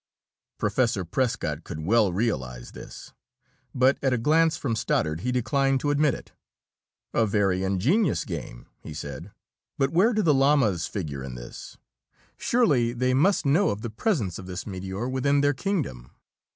Professor Prescott could well realize this, but at a glance from Stoddard he declined to admit it. "A very ingenious game!" he said. "But where do the Lamas figure in this? Surely they must know of the presence of this meteor within their kingdom."